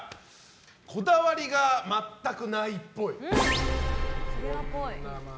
こだわりが全くないっぽい。